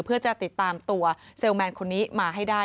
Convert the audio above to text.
เพื่อจะติดตามตัวเซลลแมนคนนี้มาให้ได้